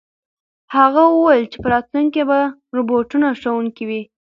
هغه وویل چې په راتلونکي کې به روبوټونه ښوونکي وي.